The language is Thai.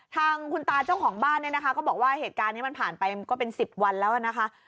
ทางคุณตาเจ้าของบ้านเนี่ยนะคะก็บอกว่าเหตุการณ์นี้มันผ่านไปก็เป็น๑๐วันแล้วนะคะ